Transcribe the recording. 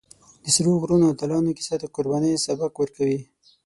د سرو غرونو اتلانو کیسه د قربانۍ سبق ورکوي.